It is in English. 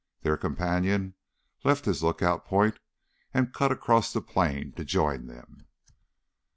Their companion left his lookout point and cut across the plain to join them.